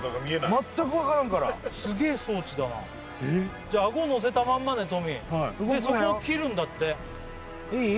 全く分からんからすげえ装置だなえっじゃあ顎のせたまんまねトミーはいでそこを切るんだっていい？